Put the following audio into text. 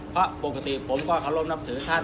พกฐิผมก็ขอร่องนับถือท่าน